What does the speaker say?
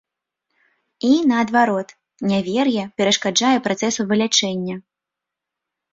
І, наадварот, нявер'е перашкаджае працэсу вылячэння.